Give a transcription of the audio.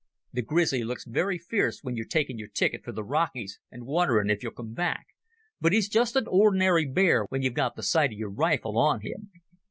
The grizzly looks very fierce when you're taking your ticket for the Rockies and wondering if you'll come back, but he's just an ordinary bear when you've got the sight of your rifle on him.